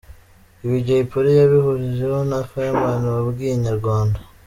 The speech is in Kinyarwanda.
Ibi Jay Polly yabihurijeho na Fireman wabwiye Inyarwanda.